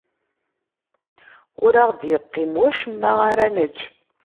Ur aɣ-d-yeqqim wacemma ara nečč.